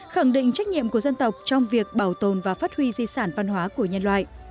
khẳng định trách nhiệm của dân tộc trong việc bảo tồn và phát huy di sản văn hóa của nhân loại